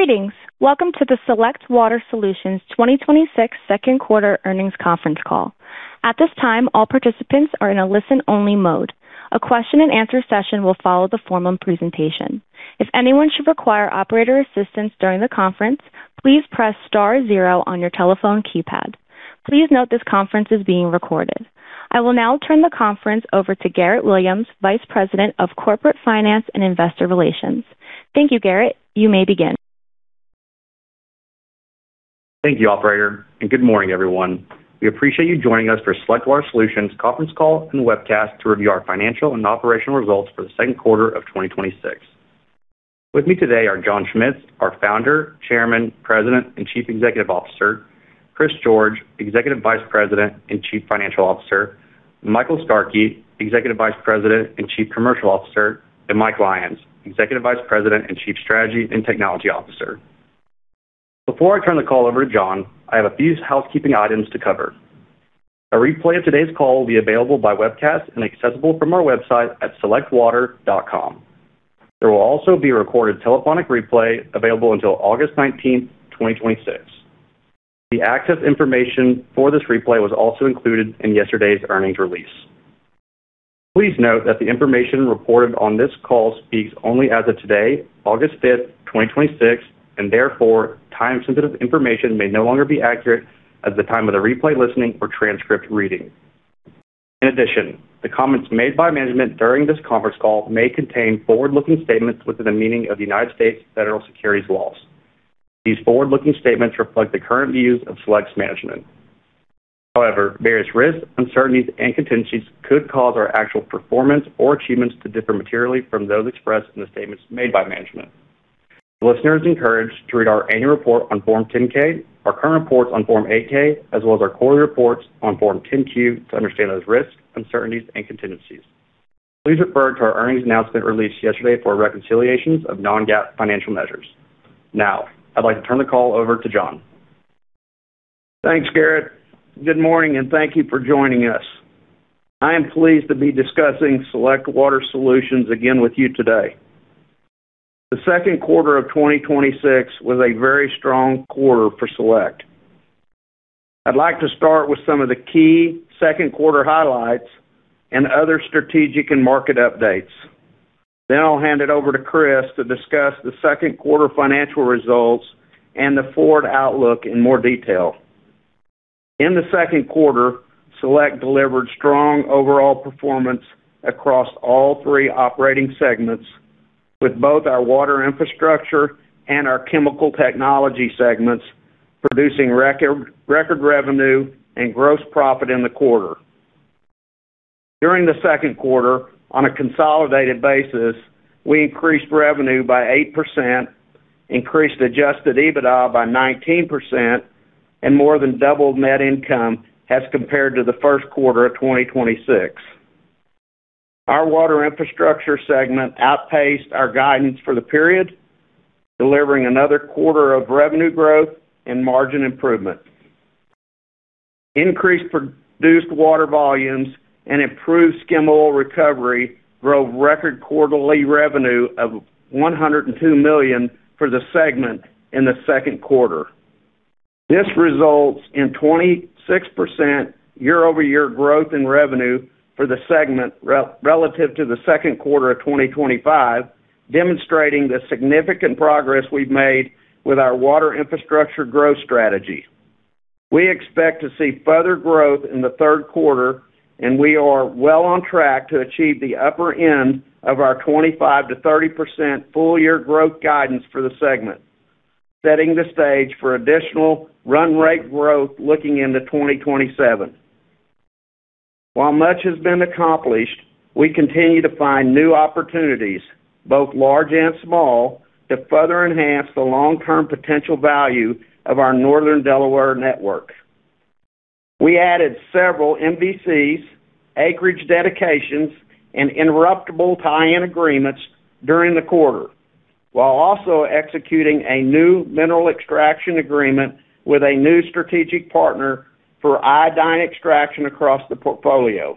Greetings. Welcome to the Select Water Solutions 2026 second quarter earnings conference call. At this time, all participants are in a listen-only mode. A question-and-answer session will follow the formal presentation. If anyone should require operator assistance during the conference, please press star zero on your telephone keypad. Please note this conference is being recorded. I will now turn the conference over to Garrett Williams, Vice President of Corporate Finance and Investor Relations. Thank you, Garrett. You may begin. Thank you operator. Good morning everyone. We appreciate you joining us for Select Water Solutions conference call and webcast to review our financial and operational results for the second quarter of 2026. With me today are John Schmitz, our Founder, Chairman, President, and Chief Executive Officer, Chris George, Executive Vice President and Chief Financial Officer, Michael Skarke, Executive Vice President and Chief Commercial Officer, and Mike Lyons, Executive Vice President and Chief Strategy and Technology Officer. Before I turn the call over to John, I have a few housekeeping items to cover. A replay of today's call will be available by webcast and accessible from our website at selectwater.com. There will also be a recorded telephonic replay available until August 19th, 2026. The access information for this replay was also included in yesterday's earnings release. Please note that the information reported on this call speaks only as of today, August 5th, 2026, and therefore, time-sensitive information may no longer be accurate at the time of the replay listening or transcript reading. In addition, the comments made by management during this conference call may contain forward-looking statements within the meaning of the United States federal securities laws. These forward-looking statements reflect the current views of Select's management. However, various risks, uncertainties, and contingencies could cause our actual performance or achievements to differ materially from those expressed in the statements made by management. The listener is encouraged to read our annual report on Form 10-K, our current reports on Form 8-K, as well as our quarterly reports on Form 10-Q, to understand those risks, uncertainties, and contingencies. Please refer to our earnings announcement released yesterday for reconciliations of non-GAAP financial measures. Now, I'd like to turn the call over to John. Thanks, Garrett. Good morning, and thank you for joining us. I am pleased to be discussing Select Water Solutions again with you today. The second quarter of 2026 was a very strong quarter for Select. I'd like to start with some of the key second quarter highlights and other strategic and market updates. Then I'll hand it over to Chris to discuss the second quarter financial results and the forward outlook in more detail. In the second quarter, Select delivered strong overall performance across all three operating segments with both our Water Infrastructure and our Chemical Technologies segments producing record revenue and gross profit in the quarter. During the second quarter, on a consolidated basis, we increased revenue by 8%, increased adjusted EBITDA by 19%, and more than doubled net income as compared to the first quarter of 2026. Our Water Infrastructure segment outpaced our guidance for the period, delivering another quarter of revenue growth and margin improvement. Increased produced water volumes and improved skim oil recovery drove record quarterly revenue of $102 million for the segment in the second quarter. This results in 26% year-over-year growth in revenue for the segment relative to the second quarter of 2025, demonstrating the significant progress we've made with our Water Infrastructure growth strategy. We expect to see further growth in the third quarter, we are well on track to achieve the upper end of our 25%-30% full-year growth guidance for the segment, setting the stage for additional run rate growth looking into 2027. While much has been accomplished, we continue to find new opportunities, both large and small, to further enhance the long-term potential value of our Northern Delaware network. We added several MVCs, acreage dedications, and interruptible tie-in agreements during the quarter, while also executing a new mineral extraction agreement with a new strategic partner for iodine extraction across the portfolio.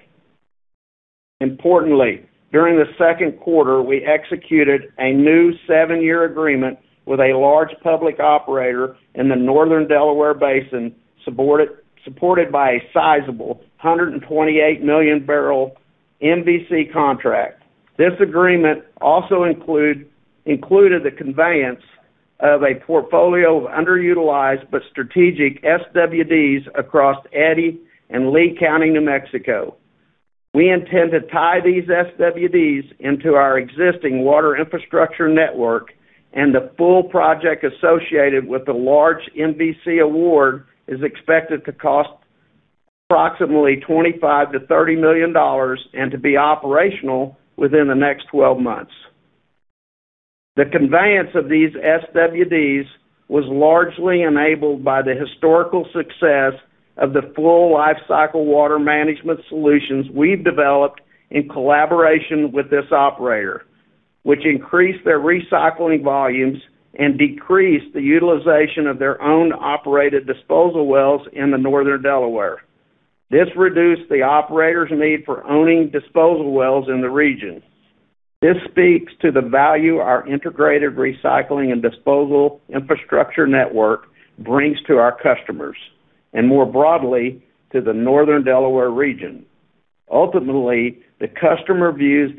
Importantly, during the second quarter, we executed a new seven-year agreement with a large public operator in the Northern Delaware Basin, supported by a sizable 128 million barrel MVC contract. This agreement also included the conveyance of a portfolio of underutilized but strategic SWDs across Eddy and Lea County, New Mexico. We intend to tie these SWDs into our existing Water Infrastructure network, the full project associated with the large MVC award is expected to cost approximately $25 million-$30 million and to be operational within the next 12 months. The conveyance of these SWDs was largely enabled by the historical success of the full lifecycle water management solutions we've developed in collaboration with this operator, which increased their recycling volumes and decreased the utilization of their own operated disposal wells in the Northern Delaware. This reduced the operator's need for owning disposal wells in the region. This speaks to the value our integrated recycling and disposal infrastructure network brings to our customers, and more broadly to the Northern Delaware region. Ultimately, the customer views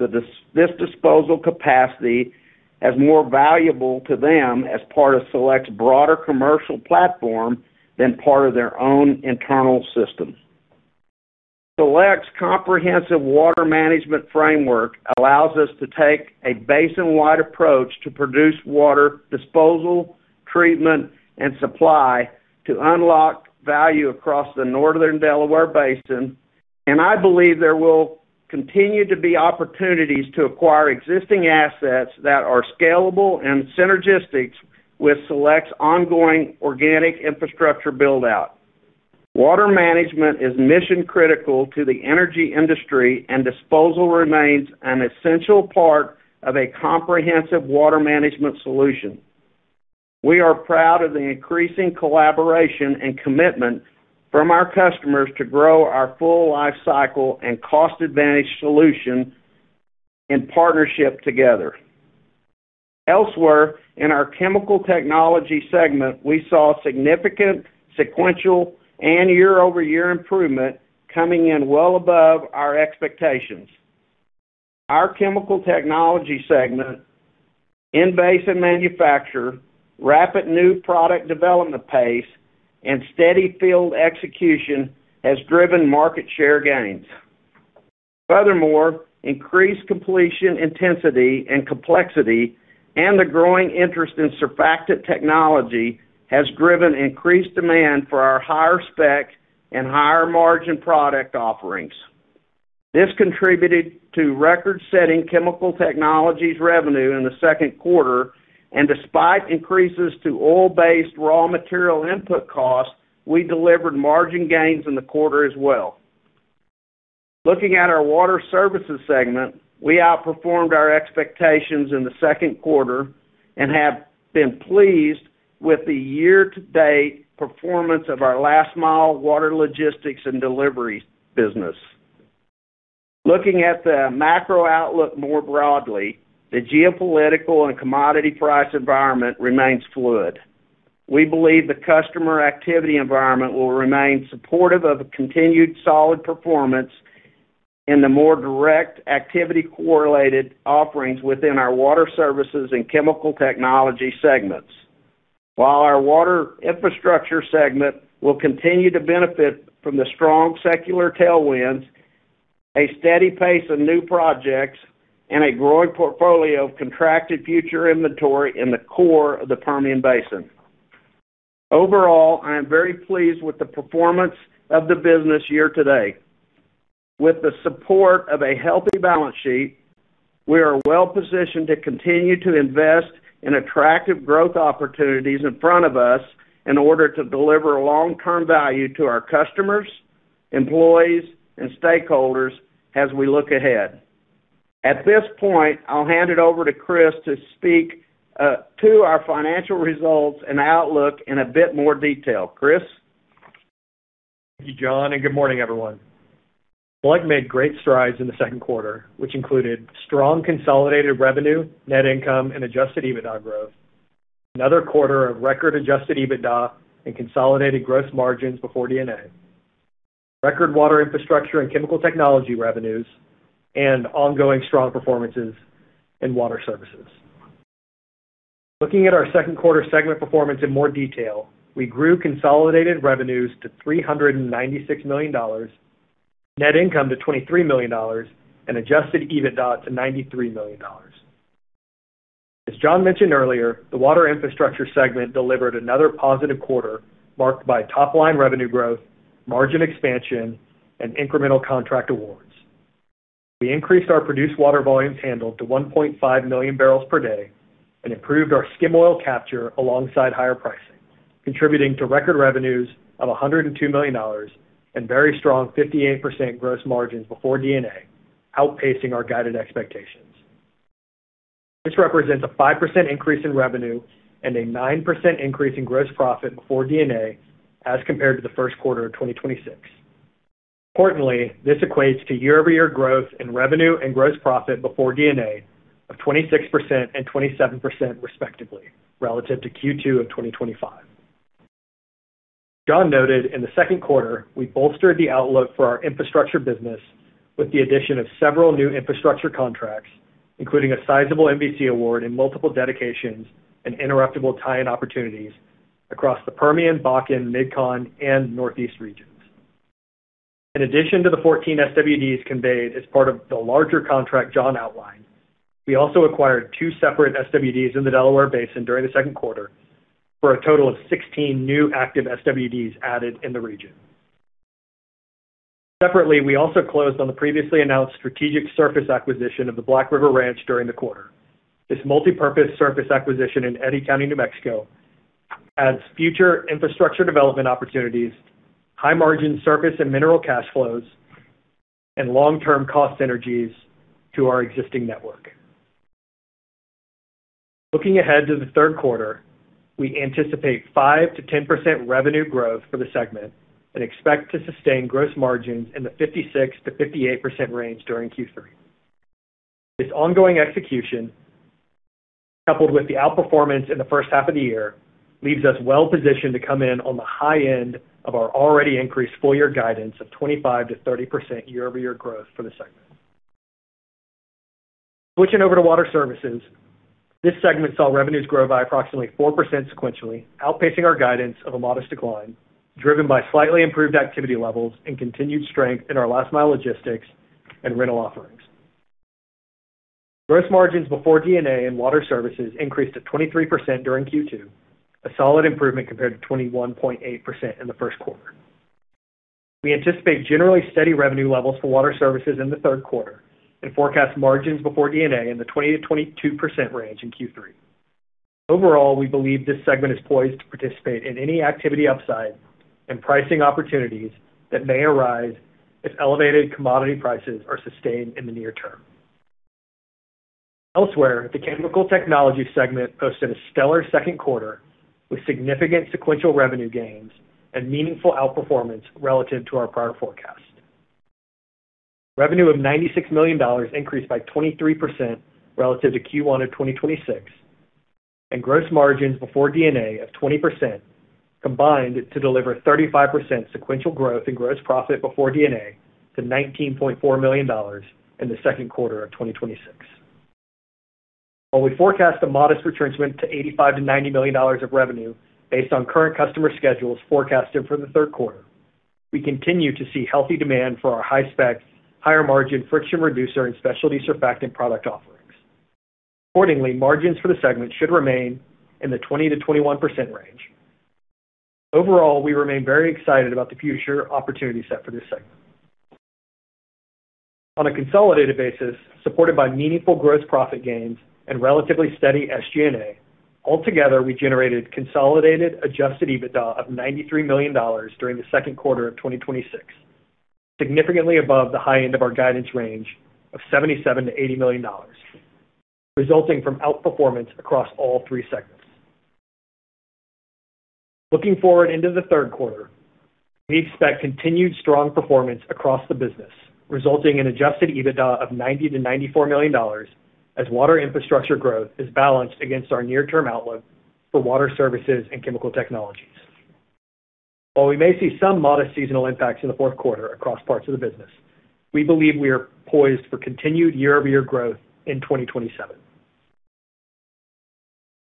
this disposal capacity as more valuable to them as part of Select's broader commercial platform than part of their own internal system. Select's comprehensive water management framework allows us to take a basin-wide approach to produced water disposal, treatment, and supply to unlock value across the Northern Delaware Basin. I believe there will continue to be opportunities to acquire existing assets that are scalable and synergistic with Select's ongoing organic infrastructure build-out. Water management is mission-critical to the energy industry. Disposal remains an essential part of a comprehensive water management solution. We are proud of the increasing collaboration and commitment from our customers to grow our full lifecycle and cost-advantage solution in partnership together. Elsewhere, in our Chemical Technologies segment, we saw significant sequential and year-over-year improvement coming in well above our expectations. Our Chemical Technologies segment in basin manufacture, rapid new product development pace, and steady field execution has driven market share gains. Furthermore, increased completion intensity and complexity and the growing interest in surfactant technology has driven increased demand for our higher spec and higher margin product offerings. This contributed to record-setting Chemical Technologies revenue in the second quarter. Despite increases to oil-based raw material input costs, we delivered margin gains in the quarter as well. Looking at our Water Services segment, we outperformed our expectations in the second quarter. We have been pleased with the year-to-date performance of our last-mile water logistics and delivery business. Looking at the macro outlook more broadly, the geopolitical and commodity price environment remains fluid. We believe the customer activity environment will remain supportive of a continued solid performance in the more direct activity correlated offerings within our Water Services and Chemical Technologies segments. While our Water Infrastructure segment will continue to benefit from the strong secular tailwinds, a steady pace of new projects, and a growing portfolio of contracted future inventory in the core of the Permian Basin. Overall, I am very pleased with the performance of the business year-to-date. With the support of a healthy balance sheet, we are well-positioned to continue to invest in attractive growth opportunities in front of us in order to deliver long-term value to our customers, employees, and stakeholders as we look ahead. At this point, I'll hand it over to Chris to speak to our financial results and outlook in a bit more detail. Chris? Thank you, John. Good morning, everyone. Select made great strides in the second quarter, which included strong consolidated revenue, net income, and adjusted EBITDA growth. Another quarter of record-adjusted EBITDA and consolidated gross margins before D&A. Record Water Infrastructure and Chemical Technologies revenues. Ongoing strong performances in Water Services. Looking at our second quarter segment performance in more detail, we grew consolidated revenues to $396 million, net income to $23 million, and adjusted EBITDA to $93 million. As John mentioned earlier, the Water Infrastructure segment delivered another positive quarter marked by top-line revenue growth, margin expansion, and incremental contract awards. We increased our produced water volumes handled to 1.5 million barrels per day. We improved our skim oil capture alongside higher pricing, contributing to record revenues of $102 million and very strong 58% gross margins before D&A, outpacing our guided expectations. This represents a 5% increase in revenue and a 9% increase in gross profit before D&A as compared to the first quarter of 2026. Importantly, this equates to year-over-year growth in revenue and gross profit before D&A of 26% and 27%, respectively, relative to Q2 of 2025. John noted in the second quarter, we bolstered the outlook for our Water Infrastructure business with the addition of several new infrastructure contracts, including a sizable MVC award and multiple dedications and interruptible tie-in opportunities across the Permian, Bakken, MidCon, and Northeast regions. In addition to the 14 SWDs conveyed as part of the larger contract John outlined, we also acquired two separate SWDs in the Delaware Basin during the second quarter for a total of 16 new active SWDs added in the region. Separately, we also closed on the previously announced strategic surface acquisition of the Black River Ranch during the quarter. This multipurpose surface acquisition in Eddy County, New Mexico, adds future infrastructure development opportunities, high-margin surface and mineral cash flows, and long-term cost synergies to our existing network. Looking ahead to the third quarter, we anticipate 5%-10% revenue growth for the segment and expect to sustain gross margins in the 56%-58% range during Q3. This ongoing execution, coupled with the outperformance in the first half of the year, leaves us well-positioned to come in on the high end of our already increased full-year guidance of 25%-30% year-over-year growth for the segment. Switching over to Water Services, this segment saw revenues grow by approximately 4% sequentially, outpacing our guidance of a modest decline driven by slightly improved activity levels and continued strength in our last mile logistics and rental offerings. Gross margins before D&A in Water Services increased to 23% during Q2, a solid improvement compared to 21.8% in the first quarter. We anticipate generally steady revenue levels for Water Services in the third quarter and forecast margins before D&A in the 20%-22% range in Q3. Overall, we believe this segment is poised to participate in any activity upside and pricing opportunities that may arise if elevated commodity prices are sustained in the near term. Elsewhere, the Chemical Technologies segment posted a stellar second quarter with significant sequential revenue gains and meaningful outperformance relative to our prior forecast. Revenue of $96 million increased by 23% relative to Q1 of 2026, and gross margins before D&A of 20% combined to deliver 35% sequential growth in gross profit before D&A to $19.4 million in the second quarter of 2026. While we forecast a modest retrenchment to $85 million-$90 million of revenue based on current customer schedules forecasted for the third quarter, we continue to see healthy demand for our high spec, higher margin friction reducer and specialty surfactant product offerings. Accordingly, margins for the segment should remain in the 20%-21% range. Overall, we remain very excited about the future opportunity set for this segment. On a consolidated basis, supported by meaningful gross profit gains and relatively steady SG&A, altogether, we generated consolidated adjusted EBITDA of $93 million during the second quarter of 2026, significantly above the high end of our guidance range of $77 million-$80 million, resulting from outperformance across all three segments. Looking forward into the third quarter, we expect continued strong performance across the business, resulting in adjusted EBITDA of $90 million-$94 million as Water Infrastructure growth is balanced against our near-term outlook for Water Services and Chemical Technologies. While we may see some modest seasonal impacts in the fourth quarter across parts of the business, we believe we are poised for continued year-over-year growth in 2027.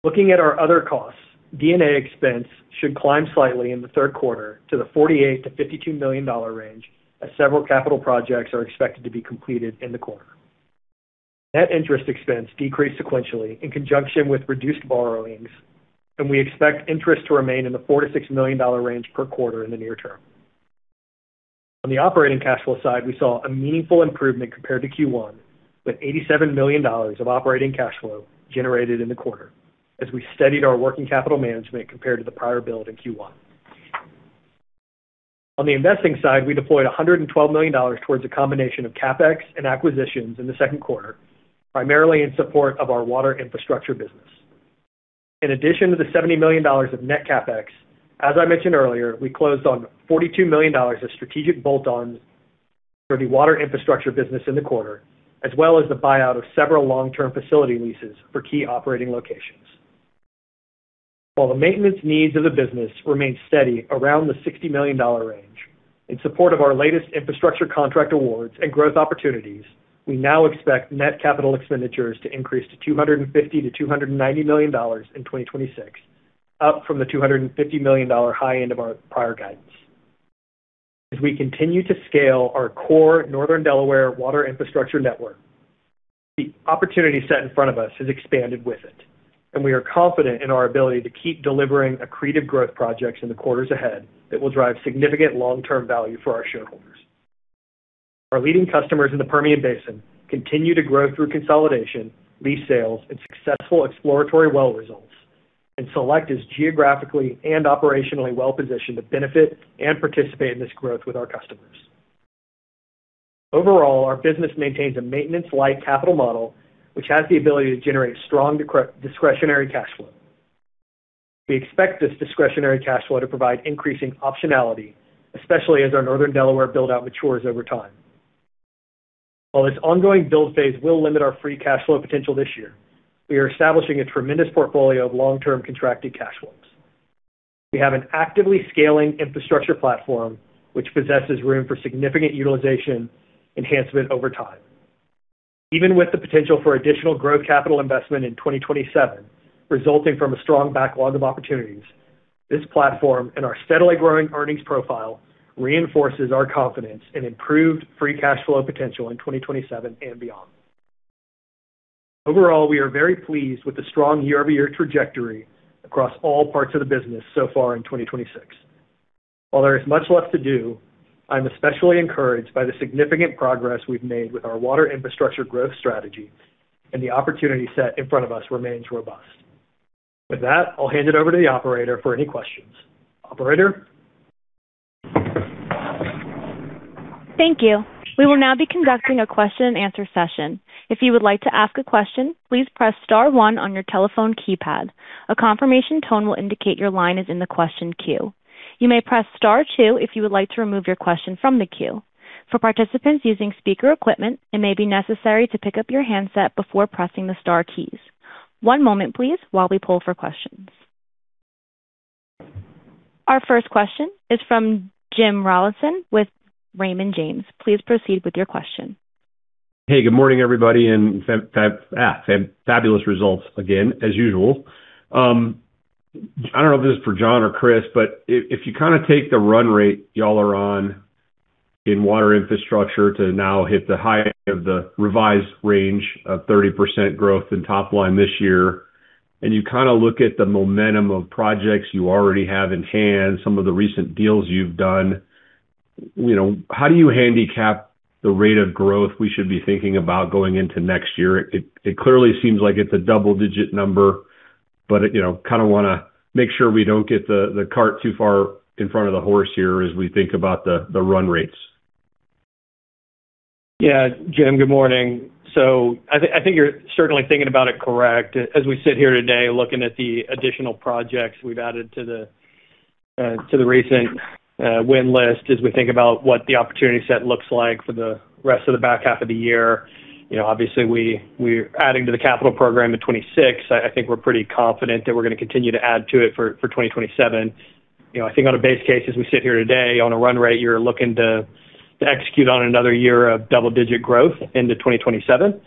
Looking at our other costs, D&A expense should climb slightly in the third quarter to the $48 million-$52 million range, as several capital projects are expected to be completed in the quarter. Net interest expense decreased sequentially in conjunction with reduced borrowings, and we expect interest to remain in the $4 million-$6 million range per quarter in the near term. On the operating cash flow side, we saw a meaningful improvement compared to Q1, with $87 million of operating cash flow generated in the quarter as we steadied our working capital management compared to the prior build in Q1. On the investing side, we deployed $112 million towards a combination of CapEx and acquisitions in the second quarter, primarily in support of our Water Infrastructure business. In addition to the $70 million of net CapEx, as I mentioned earlier, we closed on $42 million of strategic bolt-ons for the Water Infrastructure business in the quarter, as well as the buyout of several long-term facility leases for key operating locations. While the maintenance needs of the business remain steady around the $60 million range, in support of our latest infrastructure contract awards and growth opportunities, we now expect net capital expenditures to increase to $250 million-$290 million in 2026, up from the $250 million high end of our prior guidance. As we continue to scale our core Northern Delaware Water Infrastructure network, the opportunity set in front of us has expanded with it, and we are confident in our ability to keep delivering accretive growth projects in the quarters ahead that will drive significant long-term value for our shareholders. Our leading customers in the Permian Basin continue to grow through consolidation, lease sales, and successful exploratory well results, and Select is geographically and operationally well-positioned to benefit and participate in this growth with our customers. Overall, our business maintains a maintenance light capital model, which has the ability to generate strong discretionary cash flow. We expect this discretionary cash flow to provide increasing optionality, especially as our Northern Delaware build-out matures over time. While this ongoing build phase will limit our free cash flow potential this year, we are establishing a tremendous portfolio of long-term contracted cash flows. We have an actively scaling infrastructure platform which possesses room for significant utilization enhancement over time. Even with the potential for additional growth capital investment in 2027 resulting from a strong backlog of opportunities, this platform and our steadily growing earnings profile reinforces our confidence in improved free cash flow potential in 2027 and beyond. Overall, we are very pleased with the strong year-over-year trajectory across all parts of the business so far in 2026. While there is much left to do, I'm especially encouraged by the significant progress we've made with our Water Infrastructure growth strategy and the opportunity set in front of us remains robust. With that, I'll hand it over to the operator for any questions. Operator? Thank you. We will now be conducting a question-and-answer session. If you would like to ask a question, please press star one on your telephone keypad. A confirmation tone will indicate your line is in the question queue. You may press star two if you would like to remove your question from the queue. For participants using speaker equipment, it may be necessary to pick up your handset before pressing the star keys. One moment, please, while we poll for questions. Our first question is from Jim Rollyson with Raymond James. Please proceed with your question. Hey, good morning, everybody. Fabulous results again as usual. I don't know if this is for John or Chris, but if you take the run rate y'all are on in Water Infrastructure to now hit the high end of the revised range of 30% growth in top line this year, and you look at the momentum of projects you already have in hand, some of the recent deals you've done, how do you handicap the rate of growth we should be thinking about going into next year? It clearly seems like it's a double-digit number. Kind of want to make sure we don't get the cart too far in front of the horse here as we think about the run rates. Yeah. Jim, good morning. I think you're certainly thinking about it correct. As we sit here today, looking at the additional projects we've added to the recent win list, as we think about what the opportunity set looks like for the rest of the back half of the year. Obviously, we're adding to the capital program in 2026. I think we're pretty confident that we're going to continue to add to it for 2027. I think on a base case, as we sit here today on a run rate, you're looking to execute on another year of double-digit growth into 2027.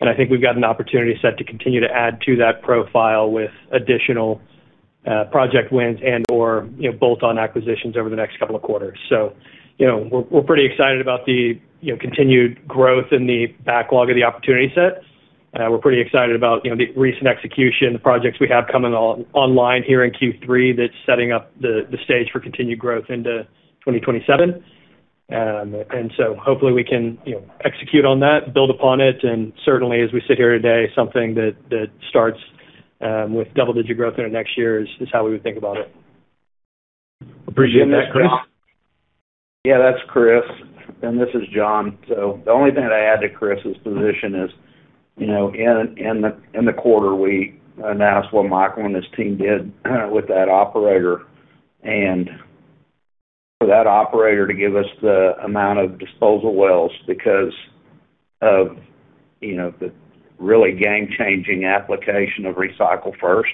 I think we've got an opportunity set to continue to add to that profile with additional project wins and/or bolt-on acquisitions over the next couple of quarters. We're pretty excited about the continued growth in the backlog of the opportunity set. We're pretty excited about the recent execution, the projects we have coming online here in Q3 that's setting up the stage for continued growth into 2027. Hopefully we can execute on that, build upon it, and certainly as we sit here today, something that starts with double-digit growth into next year is how we would think about it. Appreciate that. Chris? Yeah, that's Chris, and this is John. The only thing that I add to Chris's position is, in the quarter, we announced what Michael and his team did with that operator. For that operator to give us the amount of disposal wells because of the really game-changing application of Recycle First,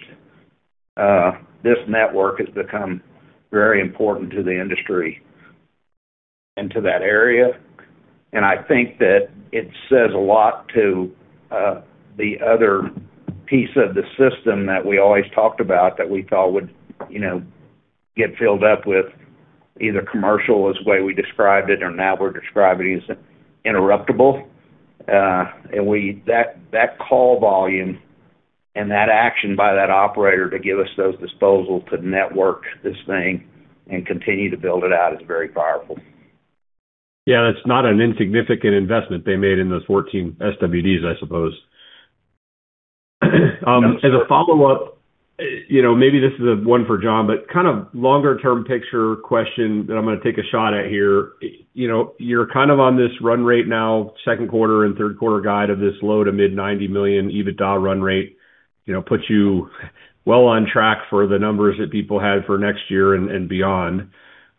this network has become very important to the industry and to that area. I think that it says a lot to the other piece of the system that we always talked about that we thought would get filled up with either commercial as the way we described it or now we're describing it as interruptible. That call volume and that action by that operator to give us those disposals to network this thing and continue to build it out is very powerful. Yeah, that's not an insignificant investment they made in those 14 SWDs, I suppose. That's correct. As a follow-up, maybe this is one for John, but kind of longer-term picture question that I'm going to take a shot at here. You're on this run rate now, second quarter and third quarter guide of this low to mid $90 million EBITDA run rate, puts you well on track for the numbers that people had for next year and beyond.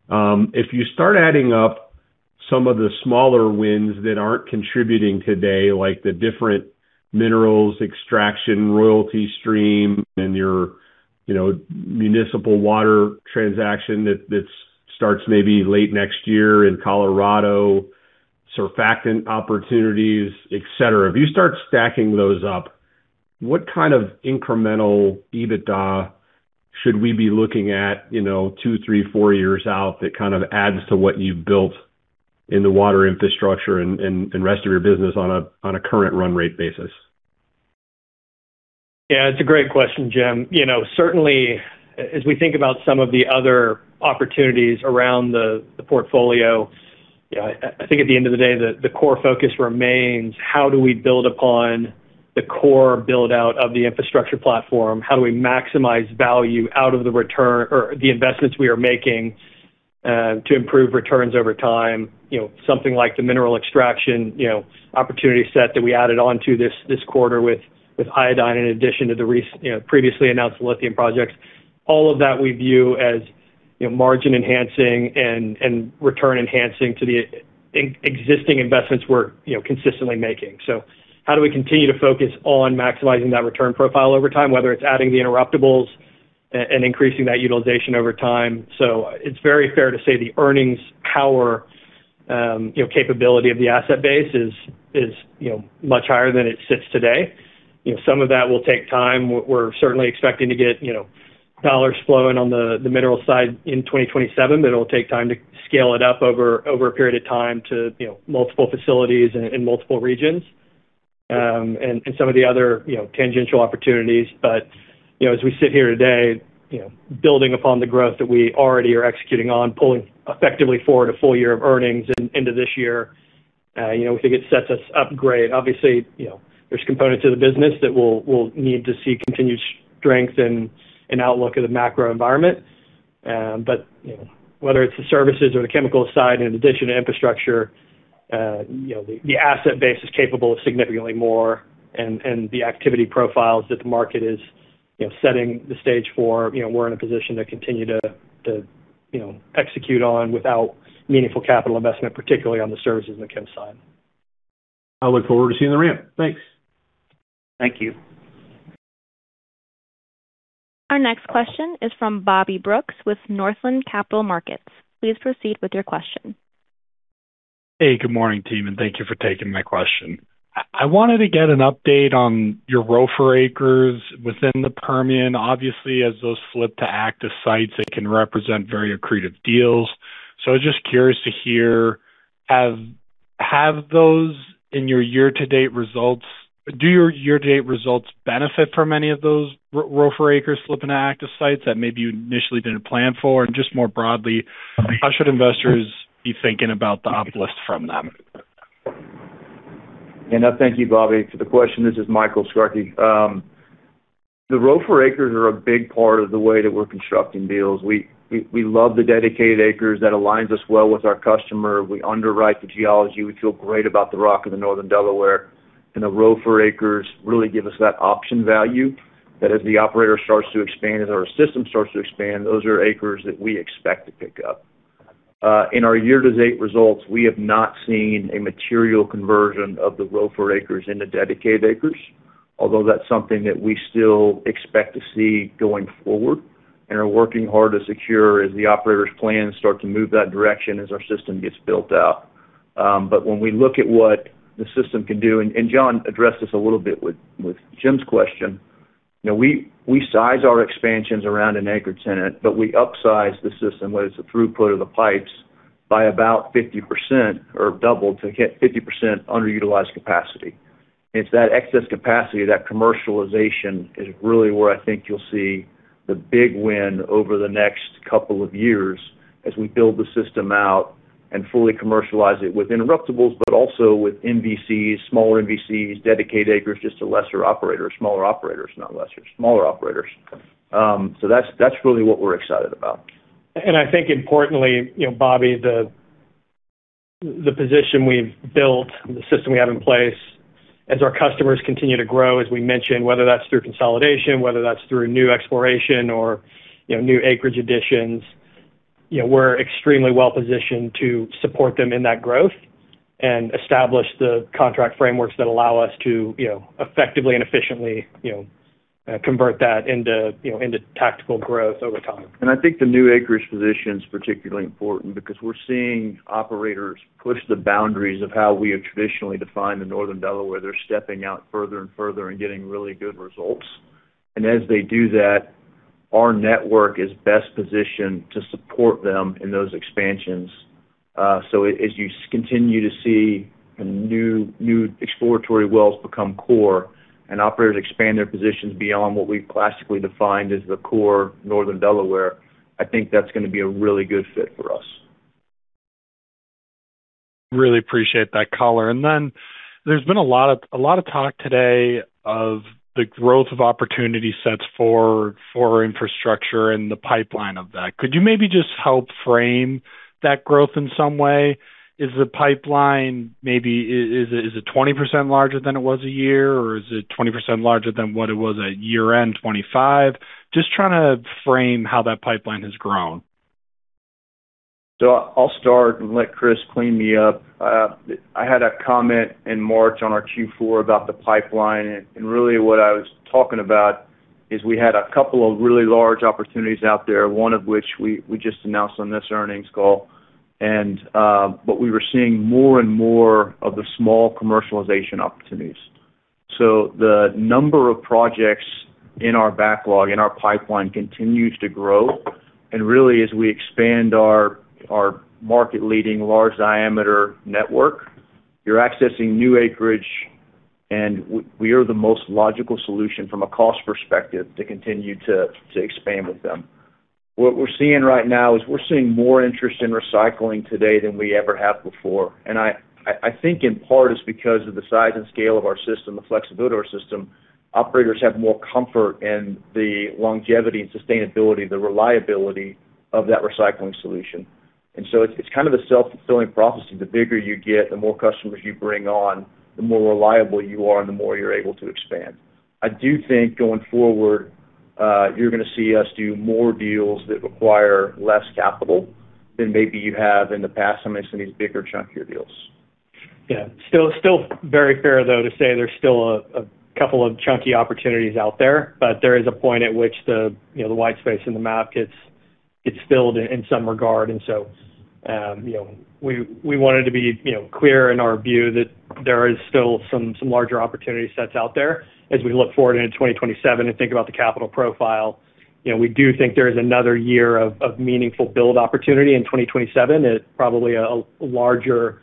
If you start adding up some of the smaller wins that aren't contributing today, like the different minerals extraction royalty stream and your municipal water transaction that starts maybe late next year in Colorado, surfactant opportunities, et cetera. If you start stacking those up, what kind of incremental EBITDA should we be looking at, two, three, four years out that kind of adds to what you've built in the Water Infrastructure and rest of your business on a current run rate basis? Yeah, it's a great question, Jim. Certainly, as we think about some of the other opportunities around the portfolio, I think at the end of the day, the core focus remains how do we build upon the core build-out of the infrastructure platform? How do we maximize value out of the return or the investments we are making to improve returns over time? Something like the mineral extraction opportunity set that we added onto this quarter with iodine, in addition to the previously announced lithium projects. All of that we view as margin enhancing and return enhancing to the existing investments we're consistently making. How do we continue to focus on maximizing that return profile over time, whether it's adding the interruptibles and increasing that utilization over time? It's very fair to say the earnings power capability of the asset base is much higher than it sits today. Some of that will take time. We're certainly expecting to get dollars flowing on the mineral side in 2027, but it'll take time to scale it up over a period of time to multiple facilities and multiple regions, and some of the other tangential opportunities. As we sit here today, building upon the growth that we already are executing on, pulling effectively forward a full-year of earnings into this year We think it sets us up great. Obviously, there's components of the business that we'll need to see continued strength in outlook of the macro environment. Whether it's the services or the chemical side, in addition to infrastructure, the asset base is capable of significantly more. The activity profiles that the market is setting the stage for, we're in a position to continue to execute on without meaningful capital investment, particularly on the services and the chem side. I look forward to seeing the ramp. Thanks. Thank you. Our next question is from Bobby Brooks with Northland Capital Markets. Please proceed with your question. Good morning, team, and thank you for taking my question. I wanted to get an update on your ROFR acres within the Permian. Obviously, as those slip to active sites, it can represent very accretive deals. I was just curious to hear, do your year-to-date results benefit from any of those ROFR acres slipping to active sites that maybe you initially didn't plan for? Just more broadly, how should investors be thinking about the uplift from them? Thank you, Bobby, for the question. This is Michael Skarke. The ROFR acres are a big part of the way that we're constructing deals. We love the dedicated acres. That aligns us well with our customer. We underwrite the geology. We feel great about the rock in the Northern Delaware. The ROFR acres really give us that option value that as the operator starts to expand, as our system starts to expand, those are acres that we expect to pick up. In our year-to-date results, we have not seen a material conversion of the ROFR acres into dedicated acres, although that's something that we still expect to see going forward and are working hard to secure as the operator's plans start to move that direction as our system gets built out. When we look at what the system can do, John addressed this a little bit with Jim's question. We size our expansions around an acreage tenant, but we upsize the system, whether it's the throughput or the pipes, by about 50% or double to hit 50% underutilized capacity. It's that excess capacity, that commercialization is really where I think you'll see the big win over the next couple of years as we build the system out and fully commercialize it with interruptibles, but also with MVCs, smaller MVCs, dedicated acres, just to lesser operators, smaller operators, not lesser, smaller operators. That's really what we're excited about. I think importantly, Bobby, the position we've built and the system we have in place as our customers continue to grow, as we mentioned, whether that's through consolidation, whether that's through new exploration or new acreage additions. We're extremely well-positioned to support them in that growth and establish the contract frameworks that allow us to effectively and efficiently convert that into tactical growth over time. I think the new acreage position is particularly important because we're seeing operators push the boundaries of how we have traditionally defined the Northern Delaware. They're stepping out further and further and getting really good results. As they do that, our network is best positioned to support them in those expansions. As you continue to see new exploratory wells become core and operators expand their positions beyond what we've classically defined as the core Northern Delaware, I think that's going to be a really good fit for us. Really appreciate that color. There's been a lot of talk today of the growth of opportunity sets for infrastructure and the pipeline of that. Could you maybe just help frame that growth in some way? Is the pipeline, maybe, is it 20% larger than it was a year? Or is it 20% larger than what it was at year-end 2025? Just trying to frame how that pipeline has grown. I'll start and let Chris clean me up. I had a comment in March on our Q4 about the pipeline. Really what I was talking about is we had a couple of really large opportunities out there, one of which we just announced on this earnings call. We were seeing more and more of the small commercialization opportunities. The number of projects in our backlog, in our pipeline continues to grow. Really, as we expand our market-leading large-diameter network, you're accessing new acreage, and we are the most logical solution from a cost perspective to continue to expand with them. What we're seeing right now is we're seeing more interest in recycling today than we ever have before. I think in part it's because of the size and scale of our system, the flexibility of our system. Operators have more comfort in the longevity and sustainability, the reliability of that recycling solution. It's kind of a self-fulfilling prophecy. The bigger you get, the more customers you bring on, the more reliable you are, and the more you're able to expand. I do think going forward, you're going to see us do more deals that require less capital than maybe you have in the past on some of these bigger, chunkier deals. Yeah. Still very fair, though, to say there is still a couple of chunky opportunities out there, but there is a point at which the white space in the map gets filled in some regard. We wanted to be clear in our view that there is still some larger opportunity sets out there as we look forward into 2027 and think about the capital profile. We do think there is another year of meaningful build opportunity in 2027 at probably a larger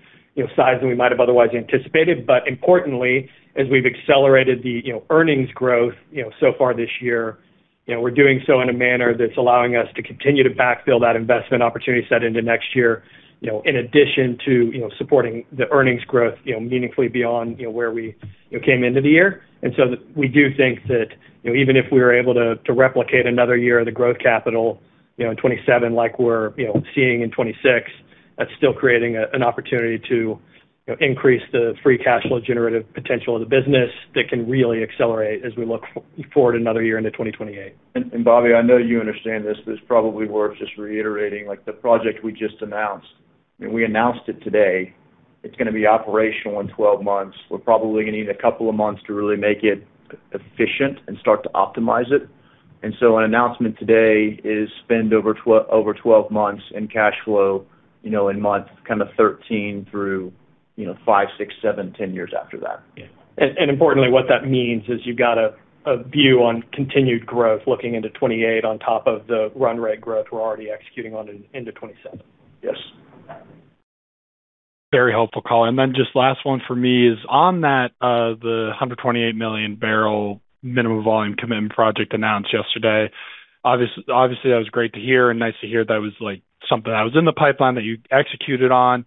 size than we might have otherwise anticipated. Importantly, as we have accelerated the earnings growth so far this year, we are doing so in a manner that is allowing us to continue to backfill that investment opportunity set into next year, in addition to supporting the earnings growth meaningfully beyond where we came into the year. We do think that even if we were able to replicate another year of the growth capital in 2027 like we are seeing in 2026, that is still creating an opportunity to increase the free cash flow generative potential of the business that can really accelerate as we look forward another year into 2028. Bobby, I know you understand this. This is probably worth just reiterating, the project we just announced, and we announced it today, it is going to be operational in 12 months. We are probably going to need a couple of months to really make it efficient and start to optimize it. An announcement today is spend over 12 months in cash flow, in month 13 through five, six, seven, 10 years after that. Yeah. Importantly, what that means is you have got a view on continued growth looking into 2028 on top of the run rate growth we are already executing on into 2027. Yes. Very helpful color. Just last one for me is on that, the 128 million barrel minimum volume commitment project announced yesterday. Obviously, that was great to hear and nice to hear that was something that was in the pipeline that you executed on.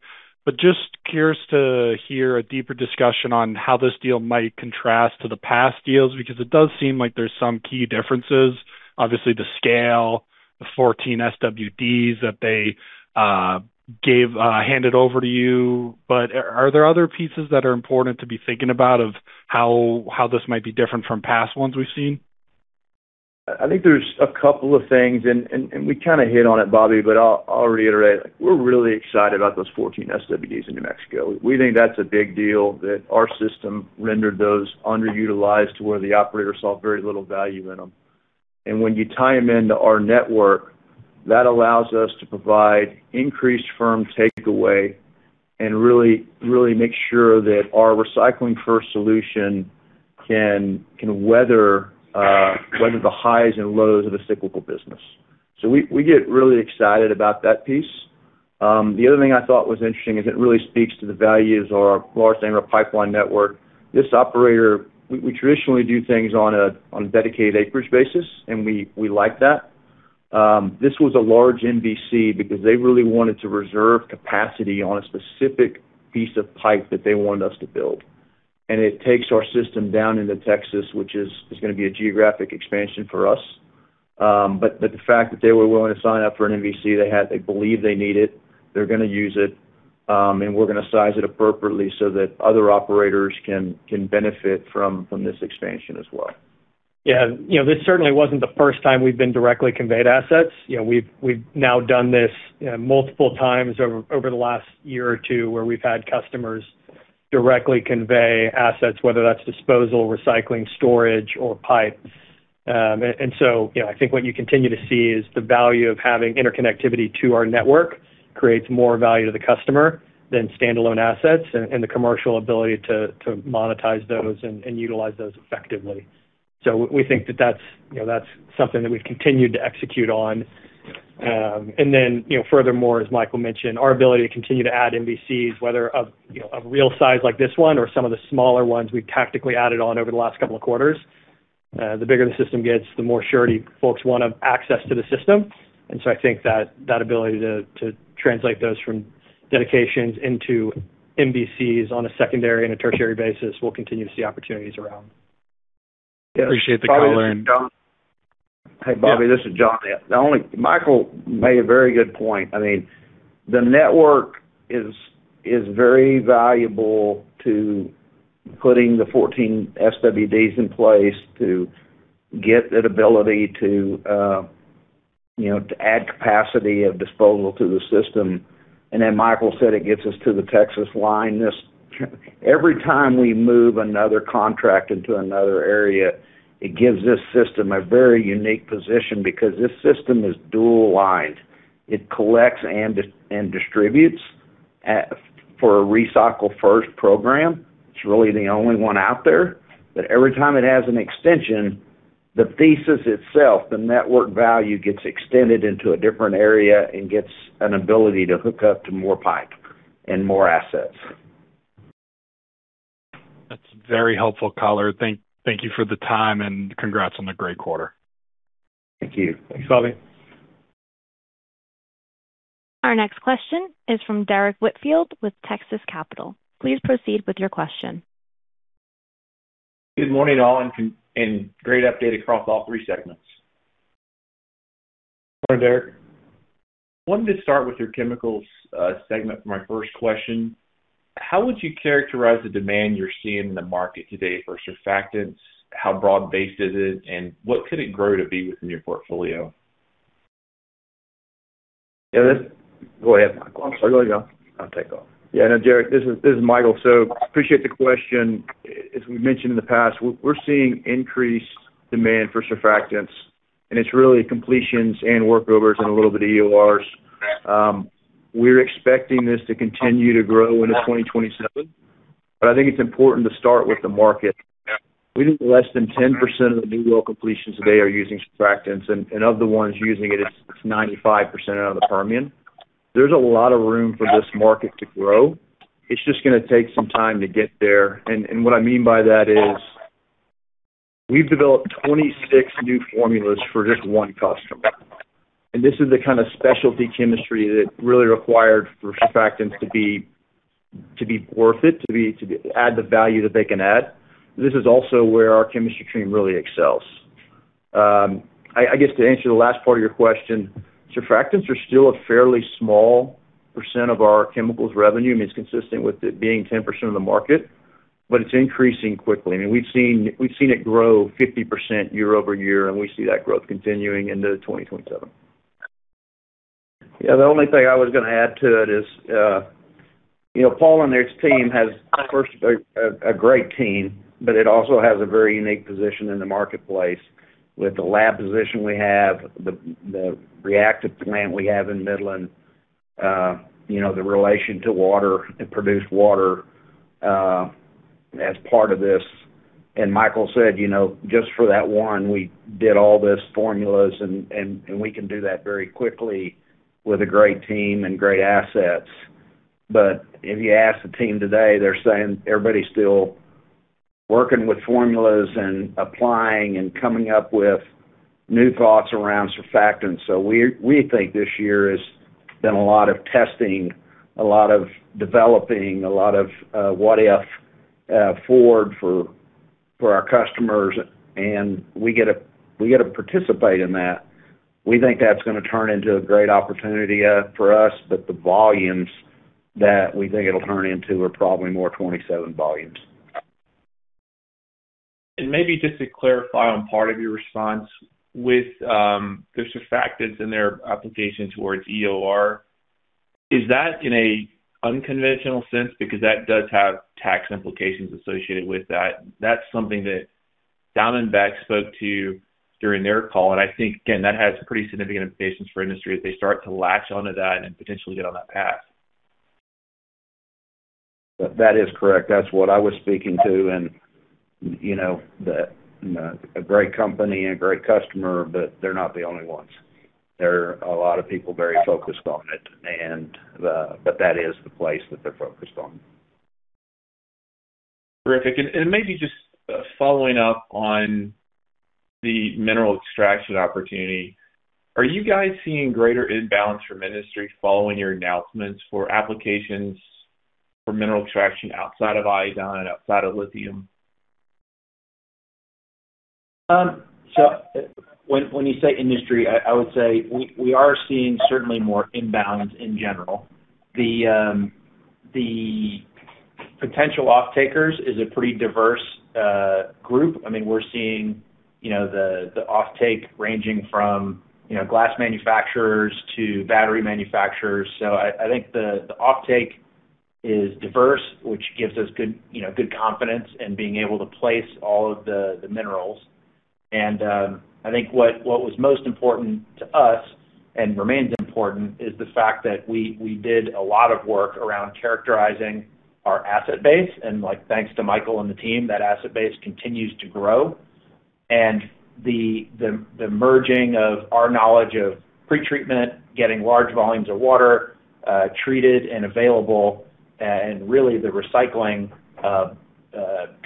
Just curious to hear a deeper discussion on how this deal might contrast to the past deals, because it does seem like there's some key differences. Obviously, the scale, the 14 SWDs that they handed over to you, are there other pieces that are important to be thinking about of how this might be different from past ones we've seen? I think there's a couple of things, we kind of hit on it, Bobby, but I'll reiterate. We're really excited about those 14 SWDs in New Mexico. We think that's a big deal that our system rendered those underutilized to where the operator saw very little value in them. When you tie them into our network, that allows us to provide increased firm takeaway and really make sure that our Recycle First solution can weather the highs and lows of a cyclical business. We get really excited about that piece. The other thing I thought was interesting is it really speaks to the value of our large-diameter pipeline network. This operator, we traditionally do things on a dedicated acreage basis, we like that. This was a large MVC because they really wanted to reserve capacity on a specific piece of pipe that they wanted us to build. It takes our system down into Texas, which is going to be a geographic expansion for us. The fact that they were willing to sign up for an MVC, they believe they need it, they're going to use it, we're going to size it appropriately so that other operators can benefit from this expansion as well. Yeah. This certainly wasn't the first time we've been directly conveyed assets. We've now done this multiple times over the last year or two where we've had customers directly convey assets, whether that's disposal, recycling, storage, or pipe. I think what you continue to see is the value of having interconnectivity to our network creates more value to the customer than standalone assets and the commercial ability to monetize those and utilize those effectively. We think that that's something that we've continued to execute on. Furthermore, as Michael mentioned, our ability to continue to add MVCs, whether of a real size like this one or some of the smaller ones we've tactically added on over the last couple of quarters. The bigger the system gets, the more surety folks want to have access to the system. I think that that ability to translate those from dedications into MVCs on a secondary and a tertiary basis, we'll continue to see opportunities around. Appreciate the color. Hey, Bobby, this is John. Michael made a very good point. I mean, the network is very valuable to putting the 14 SWDs in place to get that ability to add capacity of disposal to the system. Michael said it gets us to the Texas line. Every time we move another contract into another area, it gives this system a very unique position because this system is dual lined. It collects and distributes for a Recycle First program. It's really the only one out there. Every time it has an extension, the thesis itself, the network value gets extended into a different area and gets an ability to hook up to more pipe and more assets. That's very helpful color. Thank you for the time and congrats on the great quarter. Thank you. Thanks, Bobby. Our next question is from Derrick Whitfield with Texas Capital. Please proceed with your question. Good morning, all. Great update across all three segments. Morning, Derrick. Wanted to start with your chemicals segment for my first question. How would you characterize the demand you're seeing in the market today for surfactants? How broad-based is it, and what could it grow to be within your portfolio? Yeah. Go ahead, Michael. I'll let you go. I'll take off. Yeah, no, Derrick, this is Michael. Appreciate the question. As we mentioned in the past, we're seeing increased demand for surfactants, and it's really completions and workovers and a little bit of EORs. We're expecting this to continue to grow into 2027. I think it's important to start with the market. We think less than 10% of the new well completions today are using surfactants, and of the ones using it's 95% out of the Permian. There's a lot of room for this market to grow. It's just going to take some time to get there. What I mean by that is, we've developed 26 new formulas for just one customer. This is the kind of specialty chemistry that really required for surfactants to be worth it, to add the value that they can add. This is also where our chemistry team really excels. I guess to answer the last part of your question, surfactants are still a fairly small percent of our chemicals revenue. I mean, it's consistent with it being 10% of the market. It's increasing quickly. We've seen it grow 50% year-over-year. We see that growth continuing into 2027. Yeah. The only thing I was going to add to it is, Paul and their team has, first, a great team. It also has a very unique position in the marketplace with the lab position we have, the reactor plant we have in Midland, the relation to water and produced water, as part of this. Michael said, just for that one, we did all these formulas, and we can do that very quickly with a great team and great assets. If you ask the team today, they're saying everybody's still working with formulas and applying and coming up with new thoughts around surfactants. We think this year has been a lot of testing, a lot of developing, a lot of what if forward for our customers. We get to participate in that. We think that's going to turn into a great opportunity for us. The volumes that we think it'll turn into are probably more 2027 volumes. Maybe just to clarify on part of your response with the surfactants and their application towards EOR, is that in an unconventional sense? Because that does have tax implications associated with that. That's something that Diamondback spoke to during their call, and I think, again, that has pretty significant implications for industry as they start to latch onto that and potentially get on that path. That is correct. That's what I was speaking to, and a great company and a great customer, but they're not the only ones. There are a lot of people very focused on it. That is the place that they're focused on. Terrific. Maybe just following up on the mineral extraction opportunity, are you guys seeing greater inbounds for industry following your announcements for applications for mineral extraction outside of iodine, outside of lithium? When you say industry, I would say we are seeing certainly more inbounds in general. The potential off-takers is a pretty diverse group. We're seeing the off-take ranging from glass manufacturers to battery manufacturers. I think the off-take is diverse, which gives us good confidence in being able to place all of the minerals. I think what was most important to us and remains important is the fact that we did a lot of work around characterizing our asset base. Thanks to Michael and the team, that asset base continues to grow. The merging of our knowledge of pre-treatment, getting large volumes of water treated and available, and really the recycling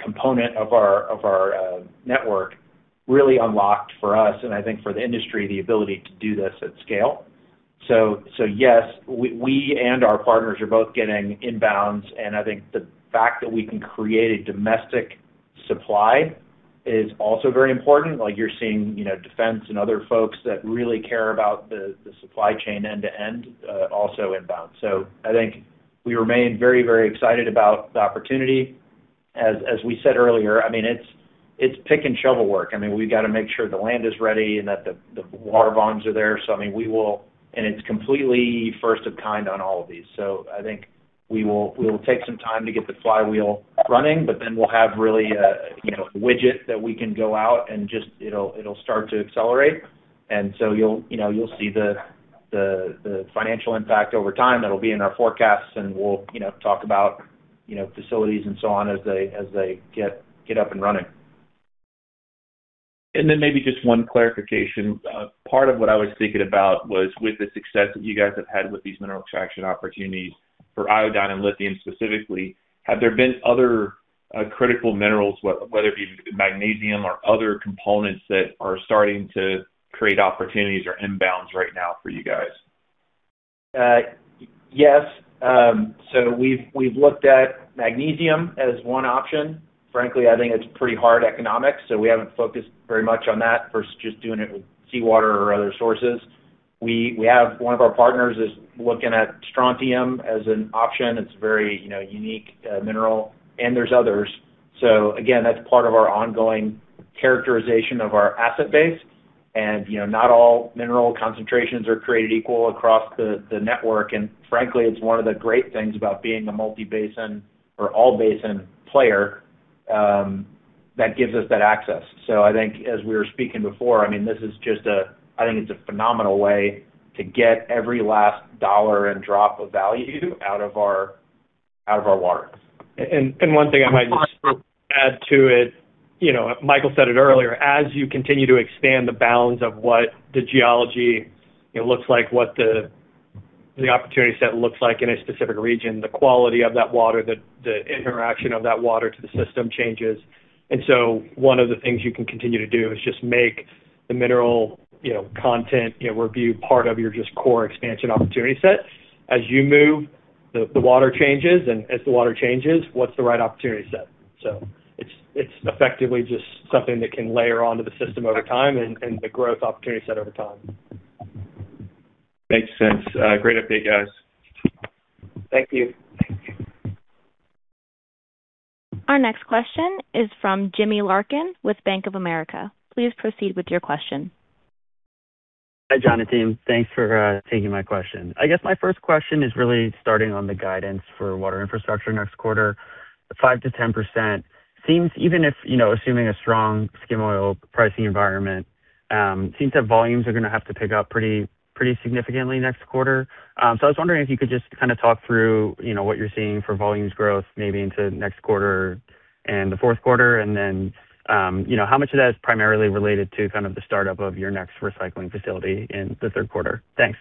component of our network really unlocked for us, and I think for the industry, the ability to do this at scale. Yes, we and our partners are both getting inbounds. I think the fact that we can create a domestic supply is also very important. You're seeing defense and other folks that really care about the supply chain end to end also inbound. I think we remain very excited about the opportunity. As we said earlier, it's pick and shovel work. We've got to make sure the land is ready and that the water volumes are there. It's completely first of kind on all of these. I think we will take some time to get the flywheel running, but then we'll have really a widget that we can go out and just it'll start to accelerate. You'll see the financial impact over time that'll be in our forecasts, and we'll talk about facilities and so on as they get up and running. Maybe just one clarification. Part of what I was thinking about was with the success that you guys have had with these mineral extraction opportunities for iodine and lithium specifically, have there been other critical minerals, whether it be magnesium or other components that are starting to create opportunities or inbounds right now for you guys? Yes. We've looked at magnesium as one option. Frankly, I think it's pretty hard economics. We haven't focused very much on that versus just doing it with seawater or other sources. One of our partners is looking at strontium as an option. It's a very unique mineral. There's others. Again, that's part of our ongoing characterization of our asset base. Not all mineral concentrations are created equal across the network. Frankly, it's one of the great things about being a multi-basin or all basin player, that gives us that access. I think as we were speaking before, I think it's a phenomenal way to get every last dollar and drop of value out of our Out of our water. One thing I might just add to it, Michael said it earlier, as you continue to expand the bounds of what the geology looks like, what the opportunity set looks like in a specific region, the quality of that water, the interaction of that water to the system changes. One of the things you can continue to do is just make the mineral content review part of your just core expansion opportunity set. As you move, the water changes, and as the water changes, what's the right opportunity set? It's effectively just something that can layer onto the system over time and the growth opportunity set over time. Makes sense. Great update, guys. Thank you. Our next question is from Jimmy Larkin with Bank of America. Please proceed with your question. Hi, John and team. Thanks for taking my question. I guess my first question is really starting on the guidance for Water Infrastructure next quarter. 5%-10% seems, even if assuming a strong skim oil pricing environment, that volumes are going to have to pick up pretty significantly next quarter. I was wondering if you could just talk through what you're seeing for volumes growth, maybe into next quarter and the fourth quarter. How much of that is primarily related to the startup of your next recycling facility in the third quarter? Thanks.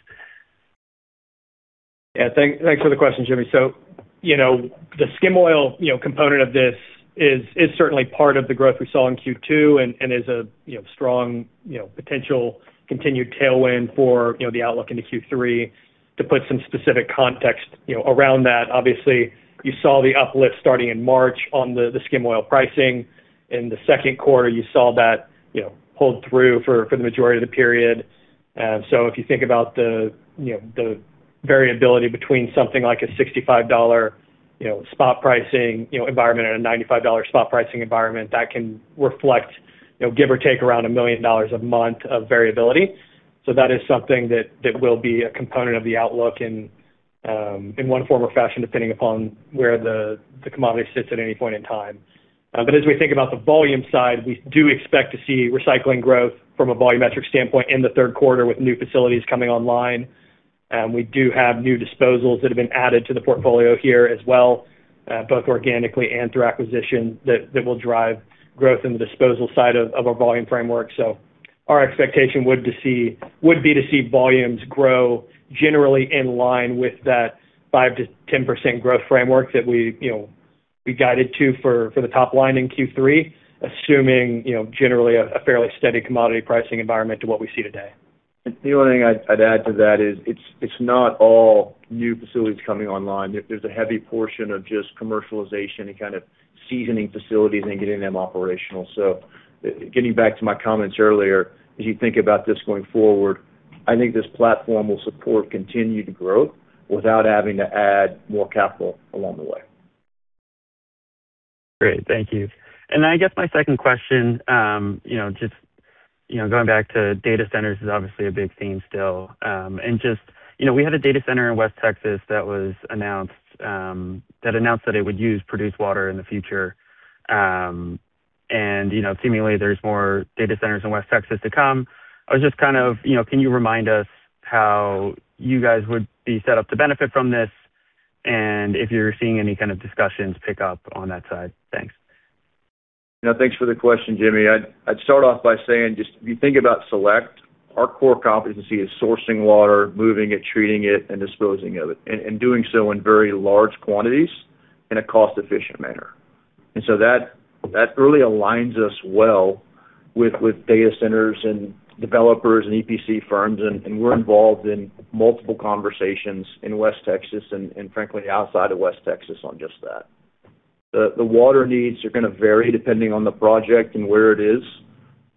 Yeah. Thanks for the question, Jimmy. The skim oil component of this is certainly part of the growth we saw in Q2 and is a strong potential continued tailwind for the outlook into Q3. To put some specific context around that, obviously, you saw the uplift starting in March on the skim oil pricing. In the second quarter, you saw that hold through for the majority of the period. If you think about the variability between something like a $65 spot pricing environment and a $95 spot pricing environment, that can reflect give or take around $1 million a month of variability. That is something that will be a component of the outlook in one form or fashion, depending upon where the commodity sits at any point in time. As we think about the volume side, we do expect to see recycling growth from a volumetric standpoint in the third quarter with new facilities coming online. We do have new disposals that have been added to the portfolio here as well, both organically and through acquisition, that will drive growth in the disposal side of our volume framework. Our expectation would be to see volumes grow generally in line with that 5%-10% growth framework that we guided to for the top line in Q3, assuming generally a fairly steady commodity pricing environment to what we see today. The only thing I'd add to that is it's not all new facilities coming online. There's a heavy portion of just commercialization and kind of seasoning facilities and getting them operational. Getting back to my comments earlier, as you think about this going forward, I think this platform will support continued growth without having to add more capital along the way. Great. Thank you. I guess my second question, just going back to data centers is obviously a big theme still. We had a data center in West Texas that announced that it would use produced water in the future. Seemingly there's more data centers in West Texas to come. Can you remind us how you guys would be set up to benefit from this? And if you're seeing any kind of discussions pick up on that side. Thanks. Thanks for the question, Jimmy. I'd start off by saying just, if you think about Select, our core competency is sourcing water, moving it, treating it, and disposing of it, and doing so in very large quantities in a cost-efficient manner. That really aligns us well with data centers and developers and EPC firms, and we're involved in multiple conversations in West Texas and frankly, outside of West Texas on just that. The water needs are going to vary depending on the project and where it is,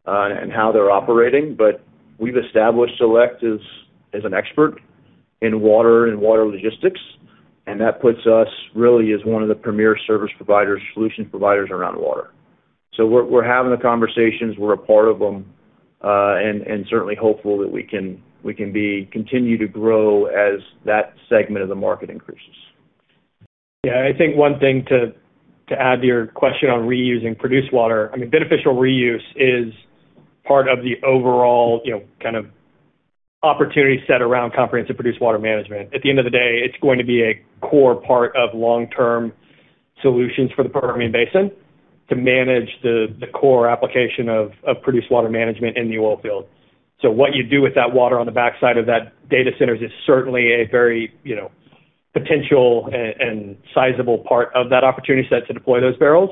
and how they're operating. We've established Select as an expert in water and water logistics, and that puts us really as one of the premier service providers, solution providers around water. We're having the conversations, we're a part of them, and certainly hopeful that we can continue to grow as that segment of the market increases. I think one thing to add to your question on reusing produced water, beneficial reuse is part of the overall opportunity set around comprehensive produced water management. At the end of the day, it's going to be a core part of long-term solutions for the Permian Basin to manage the core application of produced water management in the oil field. What you do with that water on the backside of that data centers is certainly a very potential and sizable part of that opportunity set to deploy those barrels.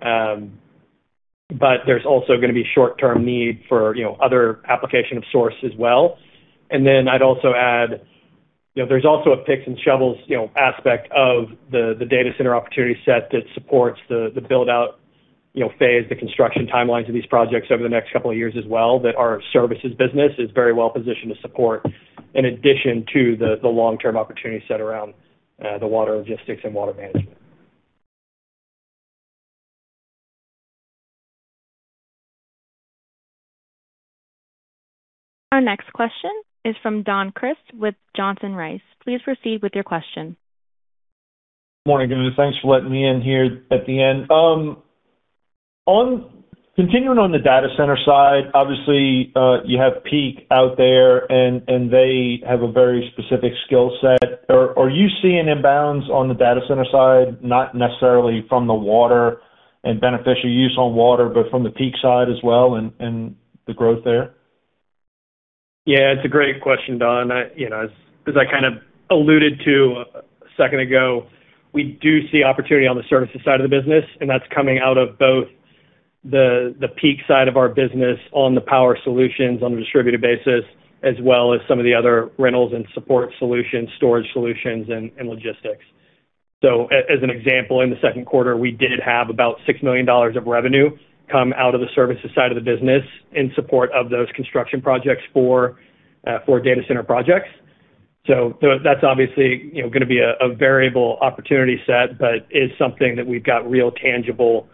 There's also going to be short-term need for other application of source as well. I'd also add, there's also a picks and shovels aspect of the data center opportunity set that supports the build-out phase, the construction timelines of these projects over the next couple of years as well, that our services business is very well positioned to support, in addition to the long-term opportunity set around the water logistics and water management. Our next question is from Don Crist with Johnson Rice. Please proceed with your question. Morning, guys. Thanks for letting me in here at the end. Continuing on the data center side, obviously, you have Peak out there, and they have a very specific skill set. Are you seeing inbounds on the data center side, not necessarily from the water and beneficial reuse on water, but from the Peak side as well and the growth there? It's a great question, Don. As I alluded to a second ago, we do see opportunity on the services side of the business, and that's coming out of both the Peak side of our business on the power solutions on a distributed basis, as well as some of the other rentals and support solutions, storage solutions, and logistics. As an example, in the second quarter, we did have about $6 million of revenue come out of the services side of the business in support of those construction projects for data center projects. That's obviously going to be a variable opportunity set, but is something that we've got real tangible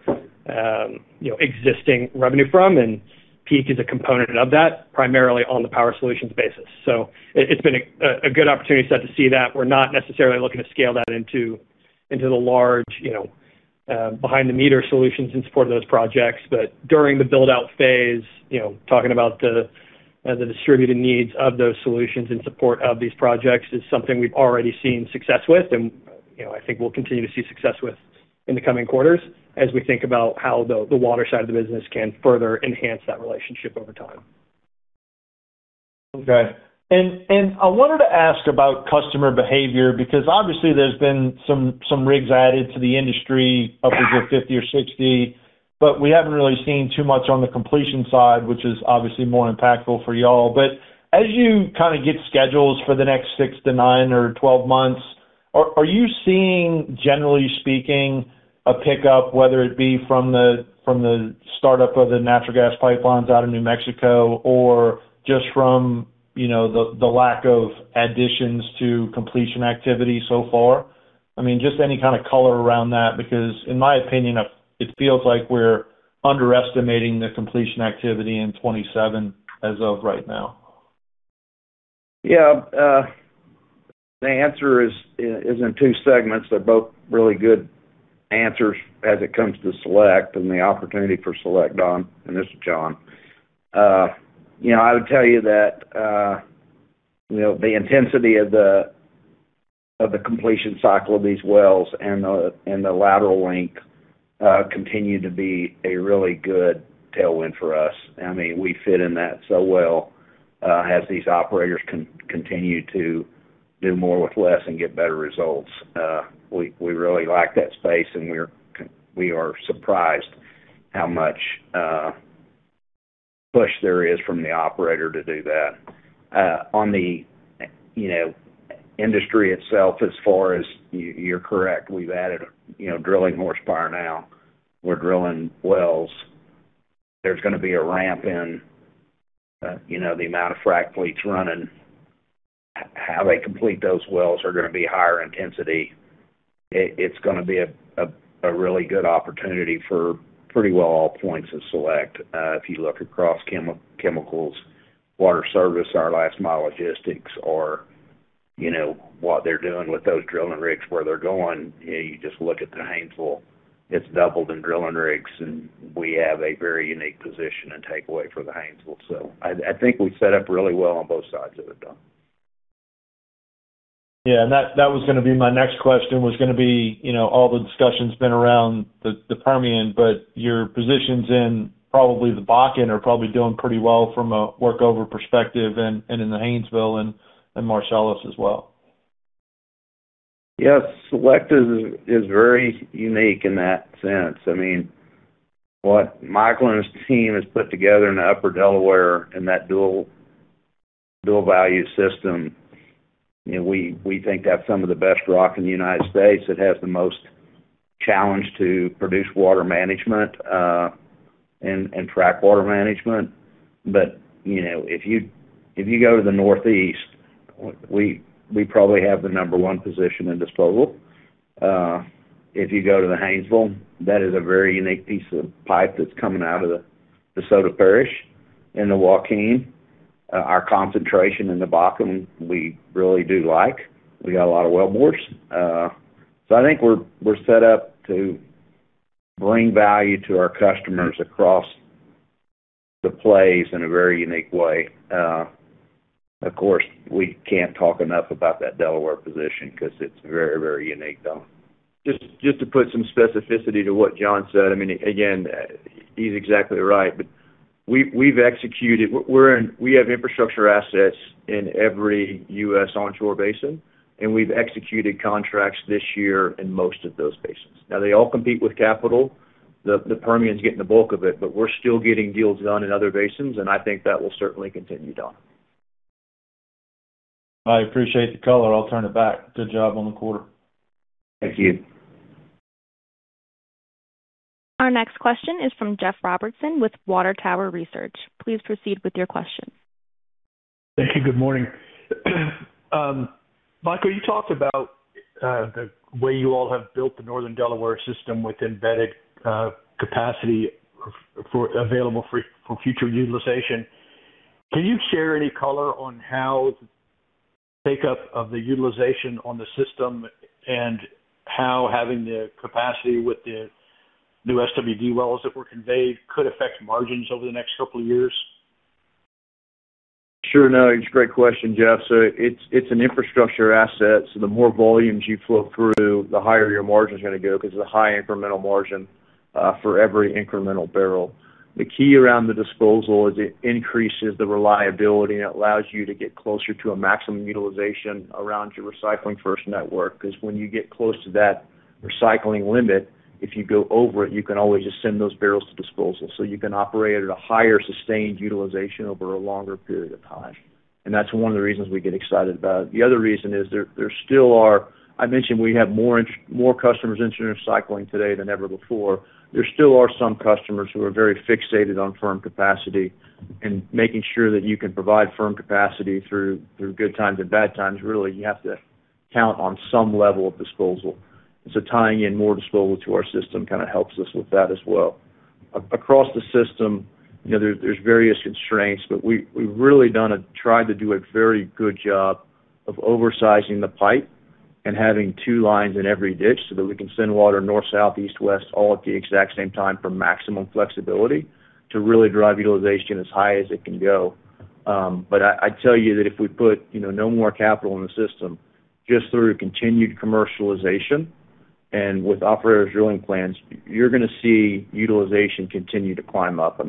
existing revenue from, and Peak is a component of that, primarily on the power solutions basis. It's been a good opportunity set to see that. We're not necessarily looking to scale that into the large behind-the-meter solutions in support of those projects. During the build-out phase, talking about the distributed needs of those solutions in support of these projects is something we've already seen success with, and I think we'll continue to see success with in the coming quarters as we think about how the water side of the business can further enhance that relationship over time. I wanted to ask about customer behavior, because obviously there's been some rigs added to the industry, up as of 50 or 60, but we haven't really seen too much on the completion side, which is obviously more impactful for you all. As you get schedules for the next six to nine or 12 months, are you seeing, generally speaking, a pickup, whether it be from the startup of the natural gas pipelines out of New Mexico or just from the lack of additions to completion activity so far? Just any kind of color around that, because in my opinion, it feels like we're underestimating the completion activity in 2027 as of right now. Yeah. The answer is in two segments. They're both really good answers as it comes to Select and the opportunity for Select, Don Crist. This is John Schmitz. I would tell you that the intensity of the completion cycle of these wells and the lateral length continue to be a really good tailwind for us. We fit in that so well as these operators continue to do more with less and get better results. We really like that space, and we are surprised how much push there is from the operator to do that. On the industry itself, as far as you're correct, we've added drilling horsepower now. We're drilling wells. There's going to be a ramp in the amount of frac fleets running. How they complete those wells are going to be higher intensity. It's going to be a really good opportunity for pretty well all points of Select. If you look across Chemical Technologies, Water Services, our last mile logistics, or what they're doing with those drilling rigs, where they're going, you just look at the Haynesville, it's doubled in drilling rigs. We have a very unique position and takeaway for the Haynesville. I think we're set up really well on both sides of it, Don Crist. Yeah, that was going to be my next question, was going to be all the discussion's been around the Permian, but your positions in probably the Bakken are probably doing pretty well from a workover perspective and in the Haynesville and Marcellus as well. Yes, Select is very unique in that sense. What Michael and his team has put together in the Upper Delaware and that dual value system, we think that's some of the best rock in the United States that has the most challenge to produced water management and frac water management. If you go to the Northeast, we probably have the number one position in disposal. If you go to the Haynesville, that is a very unique piece of pipe that's coming out of the DeSoto Parish in the Joaquin. Our concentration in the Bakken, we really do like. We got a lot of wellbores. I think we're set up to bring value to our customers across the plays in a very unique way. Of course, we can't talk enough about that Delaware position because it's very, very unique, Don. Just to put some specificity to what John said. Again, he's exactly right. We have infrastructure assets in every U.S. onshore basin, and we've executed contracts this year in most of those basins. They all compete with capital. The Permian's getting the bulk of it, but we're still getting deals done in other basins, and I think that will certainly continue, Don. I appreciate the color. I'll turn it back. Good job on the quarter. Thank you. Our next question is from Jeff Robertson with Water Tower Research. Please proceed with your question. Thank you. Good morning. Michael, you talked about the way you all have built the Northern Delaware system with embedded capacity available for future utilization. Can you share any color on how the take up of the utilization on the system and how having the capacity with the new SWD wells that were conveyed could affect margins over the next couple of years? Sure. No, it's a great question, Jeff. It's an infrastructure asset, so the more volumes you flow through, the higher your margin's gonna go because of the high incremental margin for every incremental barrel. The key around the disposal is it increases the reliability and it allows you to get closer to a maximum utilization around your Recycle First network. Because when you get close to that recycling limit, if you go over it, you can always just send those barrels to disposal. You can operate at a higher sustained utilization over a longer period of time. That's one of the reasons we get excited about it. The other reason is there still are. I mentioned we have more customers interested in recycling today than ever before. There still are some customers who are very fixated on firm capacity and making sure that you can provide firm capacity through good times and bad times. Really, you have to count on some level of disposal. Tying in more disposal to our system kind of helps us with that as well. Across the system, there's various constraints, but we've really tried to do a very good job of oversizing the pipe and having two lines in every ditch so that we can send water north, south, east, west, all at the exact same time for maximum flexibility to really drive utilization as high as it can go. I tell you that if we put no more capital in the system, just through continued commercialization and with operators' drilling plans, you're gonna see utilization continue to climb up.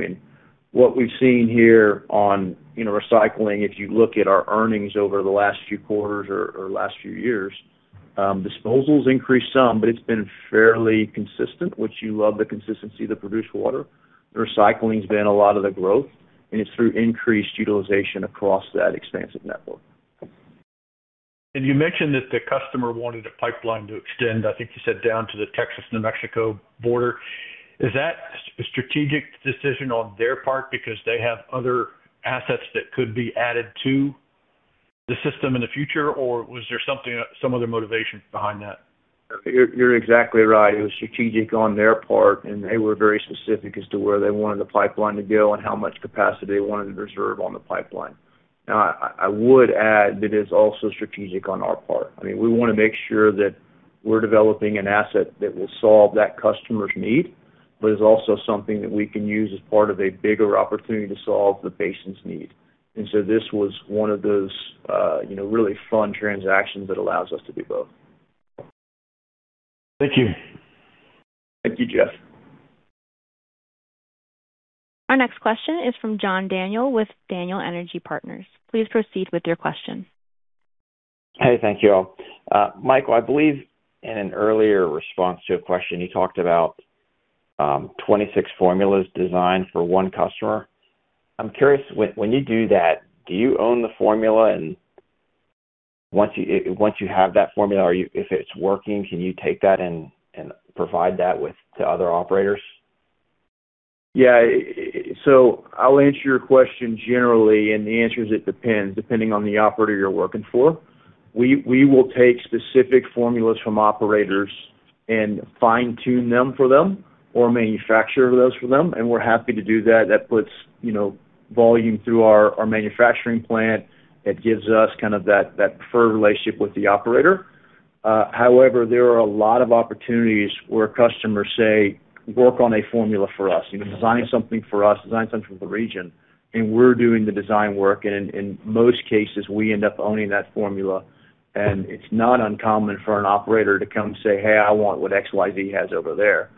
What we've seen here on recycling, if you look at our earnings over the last few quarters or last few years, disposals increased some, but it's been fairly consistent, which you love the consistency of the produced water. The recycling's been a lot of the growth, it's through increased utilization across that expansive network. You mentioned that the customer wanted a pipeline to extend, I think you said, down to the Texas-New Mexico border. Is that a strategic decision on their part because they have other assets that could be added to the system in the future? Was there some other motivation behind that? You're exactly right. It was strategic on their part, and they were very specific as to where they wanted the pipeline to go and how much capacity they wanted to reserve on the pipeline. Now, I would add that it is also strategic on our part. We want to make sure that we're developing an asset that will solve that customer's need, but is also something that we can use as part of a bigger opportunity to solve the basin's need. This was one of those really fun transactions that allows us to do both. Thank you. Thank you, Jeff. Our next question is from John Daniel with Daniel Energy Partners. Please proceed with your question. Hey, thank you all. Michael, I believe in an earlier response to a question, you talked about 26 formulas designed for one customer. I'm curious, when you do that, do you own the formula? Once you have that formula, if it's working, can you take that and provide that to other operators? Yeah. I'll answer your question generally, and the answer is it depends, depending on the operator you're working for. We will take specific formulas from operators and fine-tune them for them or manufacture those for them, and we're happy to do that. That puts volume through our manufacturing plant. It gives us kind of that preferred relationship with the operator. However, there are a lot of opportunities where customers say, Work on a formula for us. Design something for us, design something for the region. We're doing the design work, and in most cases, we end up owning that formula. It's not uncommon for an operator to come say, Hey, I want what XYZ has over there.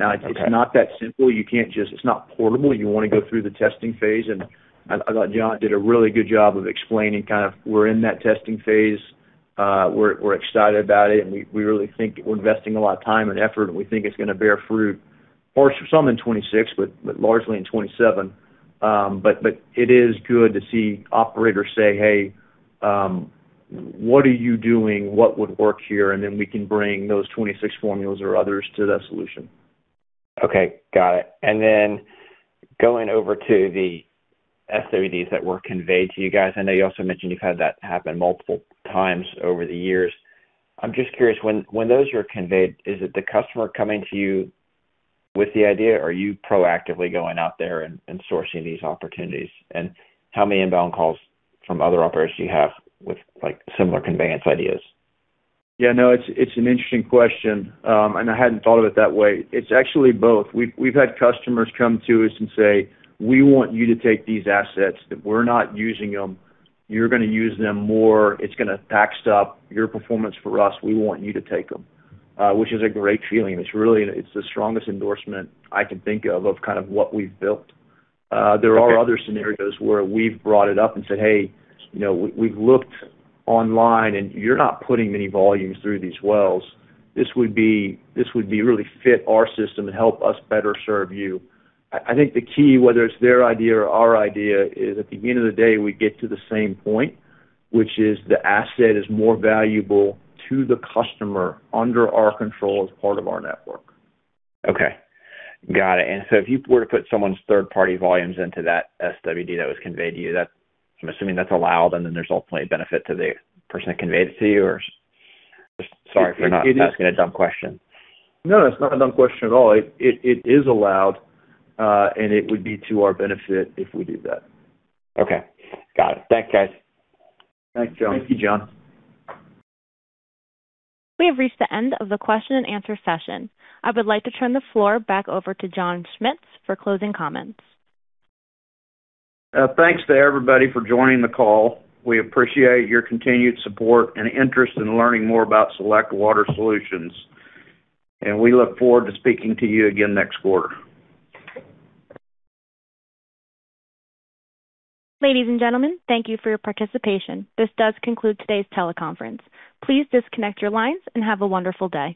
Okay. It's not that simple. It's not portable. You want to go through the testing phase, I thought John did a really good job of explaining kind of we're in that testing phase. We're excited about it, we really think we're investing a lot of time and effort, we think it's gonna bear fruit for some in 2026, but largely in 2027. It is good to see operators say, Hey, what are you doing? What would work here? Then we can bring those 26 formulas or others to that solution. Okay, got it. Going over to the SWDs that were conveyed to you guys, I know you also mentioned you've had that happen multiple times over the years. I'm just curious, when those are conveyed, is it the customer coming to you with the idea, or are you proactively going out there and sourcing these opportunities? How many inbound calls from other operators do you have with similar conveyance ideas? Yeah, no, it's an interesting question, I hadn't thought of it that way. It's actually both. We've had customers come to us and say, We want you to take these assets that we're not using them. You're gonna use them more. It's gonna backstop your performance for us. We want you to take them. Which is a great feeling. It's the strongest endorsement I can think of kind of what we've built. Okay. There are other scenarios where we've brought it up and said, Hey, we've looked online, you're not putting many volumes through these wells. This would be really fit our system and help us better serve you. I think the key, whether it's their idea or our idea, is at the end of the day, we get to the same point, which is the asset is more valuable to the customer under our control as part of our network. Okay. Got it. If you were to put someone's third-party volumes into that SWD that was conveyed to you, I'm assuming that's allowed, and then there's ultimately a benefit to the person that conveyed it to you, or just sorry if I'm asking a dumb question. No, that's not a dumb question at all. It is allowed, and it would be to our benefit if we did that. Okay. Got it. Thanks, guys. Thanks, John. Thank you, John. We have reached the end of the question-and-answer session. I would like to turn the floor back over to John Schmitz for closing comments. Thanks to everybody for joining the call. We appreciate your continued support and interest in learning more about Select Water Solutions. We look forward to speaking to you again next quarter. Ladies and gentlemen, thank you for your participation. This does conclude today's teleconference. Please disconnect your lines and have a wonderful day.